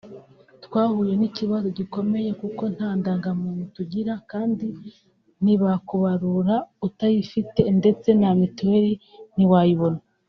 twahuye n’ikibazo gikomeye kuko nta ndangamuntu tugira kandi ntibakubarura utayifite ndetse na mitiwere ntiwayibona